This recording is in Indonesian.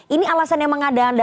ini alasan yang mengada anda